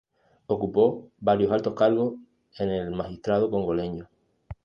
Ocupó varios altos cargos en el magistrado congoleño.